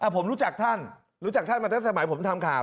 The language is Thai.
ผมรู้จักท่านรู้จักท่านมาตั้งสมัยผมทำข่าว